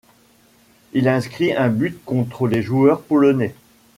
Il inscrit un but contre les joueurs polonais.